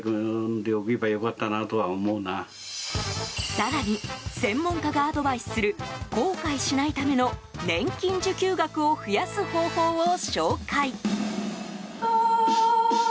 更に、専門家がアドバイスする後悔しないための年金受給額を増やす方法を紹介。